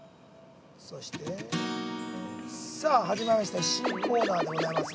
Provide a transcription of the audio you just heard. そして、さあ、始まりました新コーナーでございます。